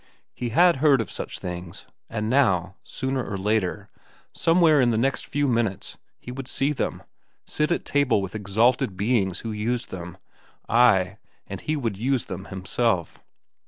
He had heard of such things, and now, sooner or later, somewhere in the next few minutes, he would see them, sit at table with exalted beings who used them—ay, and he would use them himself.